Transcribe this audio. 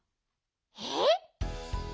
えっ？